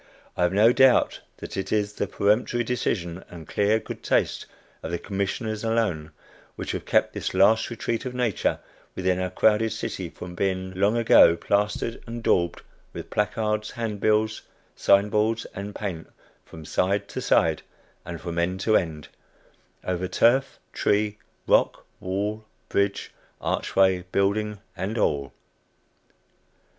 I have no doubt that it is the peremptory decision and clear good taste of the Commissioners alone, which have kept this last retreat of nature within our crowded city from being long ago plastered and daubed with placards, handbills, sign boards and paint, from side to side and from end to end, over turf, tree, rock, wall, bridge, archway, building and all.